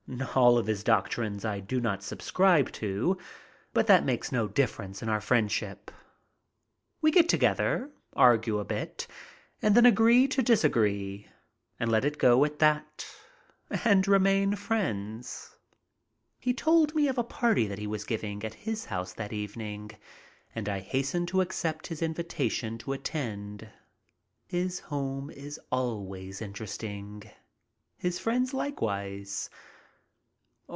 All of his doctrines I do not 'subscribe to, but that makes no difference in our friendship. We get together, argue a bit, and then agree to disagree and let it go at that and remain friends. I SIGN A $670,000 CONTRACT 4MY $3,000,000 HOME FROM AN AIRPLANE OFF TO EUROPE 15 He told me of a party that he was giving at his home that evening and I hastened to accept his invitation to attend. His home is always interesting. His friends likewise.